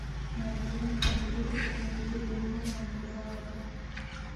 ماري کوري د کمزورو برېښنايي جریانونو اندازه وکړه.